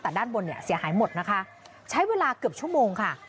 แต่ด้านบนเนี่ยเสียหายหมดนะคะใช้เวลาเกือบชั่วโมงค่ะ